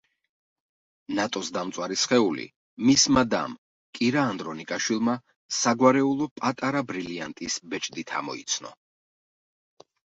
ნატოს დამწვარი სხეული მისმა დამ კირა ანდრონიკაშვილმა საგვარეულო პატარა ბრილიანტის ბეჭდით ამოიცნო.